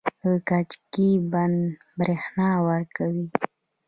د کجکي بند بریښنا ورکوي